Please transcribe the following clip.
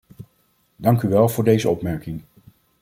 Dank u wel voor deze opmerking!